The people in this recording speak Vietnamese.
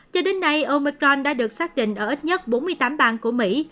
cho đến nay omicron đã được xác định ở ít nhất bốn mươi tám bang của mỹ